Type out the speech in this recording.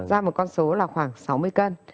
ra một con số là khoảng sáu mươi cân